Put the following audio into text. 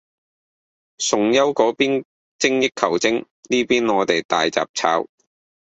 崇優嗰邊精益求精，呢邊我哋大雜炒